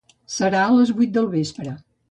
Serà a les vuit del vespre.